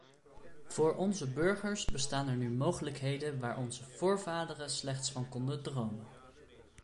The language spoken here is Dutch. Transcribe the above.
Voor onze burgers bestaan er nu mogelijkheden waar onze voorvaderen slechts van konden dromen.